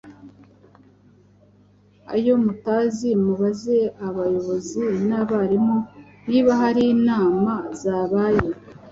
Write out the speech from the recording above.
ayo mutazi mubaze abayobozi n’abarimu niba hari inama zabaye,